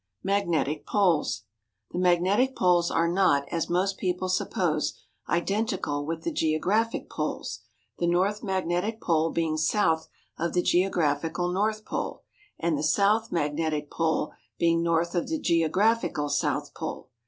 =Magnetic Poles.= The magnetic poles are not, as most people suppose, identical with the geographical poles, the north magnetic pole being south of the geographical North Pole, and the south magnetic pole being north of the geographical South Pole.